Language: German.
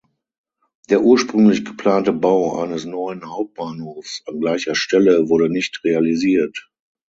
Der ursprünglich geplante Bau eines neuen Hauptbahnhofs an gleicher Stelle wurde nicht realisiert.